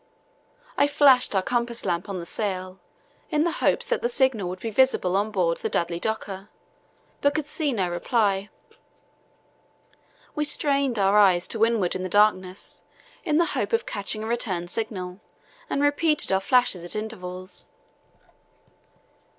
I flashed our compass lamp on the sail in the hope that the signal would be visible on board the Dudley Docker, but could see no reply. We strained our eyes to windward in the darkness in the hope of catching a return signal and repeated our flashes at intervals.